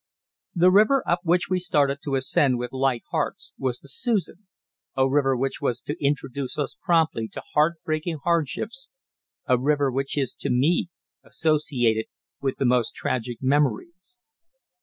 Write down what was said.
The river up which we started to ascend with light hearts was the Susan, a river which was to introduce us promptly to heart breaking hardships, a river which is to me associated with the most tragic memories.